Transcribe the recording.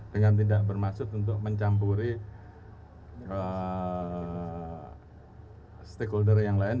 dengan tidak bermaksud untuk mencampuri stakeholder yang lain